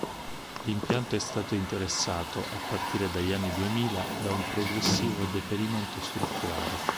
L'impianto è stato interessato, a partire dagli anni Duemila, da un progressivo deperimento strutturale.